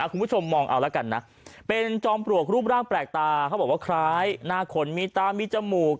คุณผู้ชมมองเอาแล้วกันนะเป็นจอมปลวกรูปร่างแปลกตาเขาบอกว่าคล้ายหน้าคนมีตามีจมูก